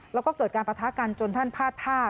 แล้วก็เกิดการปะทะกันจนท่านพลาดท่า